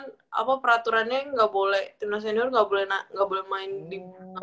waktu itu kan peraturannya gak boleh timnas senior gak boleh main di